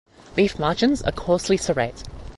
Leaf margins are coarsely serrate.